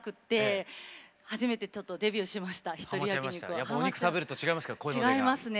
やっぱお肉食べると違いますか？